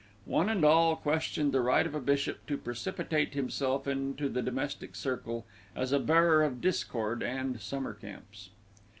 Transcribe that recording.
One and all questioned the right of a bishop to precipitate himself into the domestic circle as a bearer of discord and summer camps.